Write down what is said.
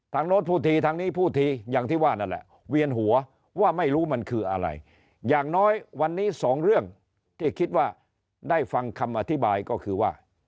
โน้นพูดทีทางนี้พูดทีอย่างที่ว่านั่นแหละเวียนหัวว่าไม่รู้มันคืออะไรอย่างน้อยวันนี้สองเรื่องที่คิดว่าได้ฟังคำอธิบายก็คือว่า